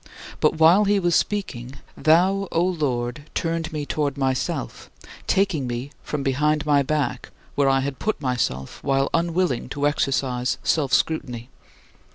But while he was speaking, thou, O Lord, turned me toward myself, taking me from behind my back, where I had put myself while unwilling to exercise self scrutiny.